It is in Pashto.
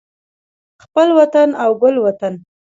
خپل وطن او ګل وطن